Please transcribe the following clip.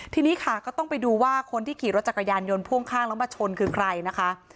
ทีนี้ค่ะก็ต้องไปดูว่าคนที่ขี่รถจักรยานยนต์พ่วงข้างแล้วมาชนคือใครนะคะ